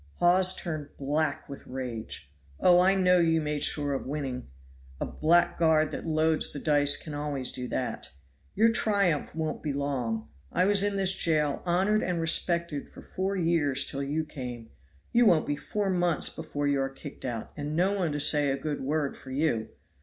Hawes turned black with rage. "Oh, I know you made sure of winning; a blackguard that loads the dice can always do that. Your triumph won't be long. I was in this jail honored and respected for four years till you came. You won't be four months before you are kicked out, and no one to say a good word for you.